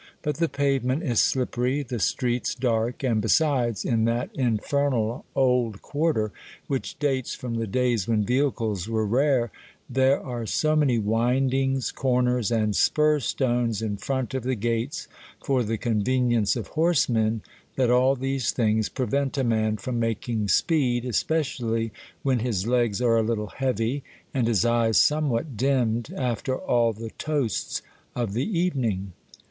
But the pavement is slippery, the streets dark, and, besides, in that infernal old quarter, which dates from the days when vehicles were rare, there are so many windings, corners, and spur stones in front of the gates for the convenience of horsemen, that all these things prevent a man from making speed, especially when his legs are a little heavy, and his eyes somewhat dimmed, after all the toasts of the evening.